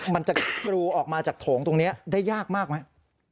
มันจะกรูออกมาจากโถงตรงนี้ได้ยากมากไหม